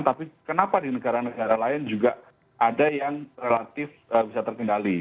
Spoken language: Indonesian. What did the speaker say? tapi kenapa di negara negara lain juga ada yang relatif bisa terkendali